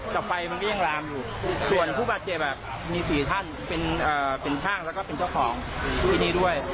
ผมไม่เห็นว่าเป็นอะไรแต่ว่าเห็นว่าตรงนี้มันเป็นเป็นเป็นเพลิงลุกโชนขึ้นมาเลย